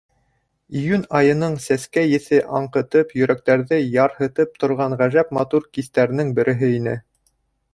Июнь айының сәскә еҫе аңҡытып, йөрәктәрҙе ярһытып торған ғәжәп матур кистәренең береһе ине.